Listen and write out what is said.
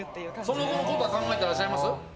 その後のことは考えてらっしゃいます？